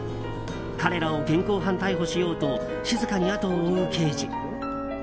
彼らを現行犯逮捕しようと静かに後を追う刑事。